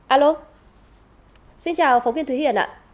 alo xin chào phóng viên thúy hiền ạ